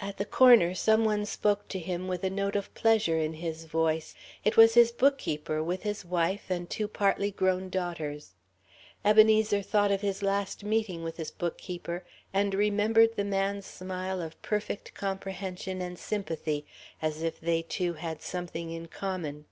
At the corner, some one spoke to him with a note of pleasure in his voice. It was his bookkeeper, with his wife and two partly grown daughters. Ebenezer thought of his last meeting with his bookkeeper, and remembered the man's smile of perfect comprehension and sympathy, as if they two had something in common.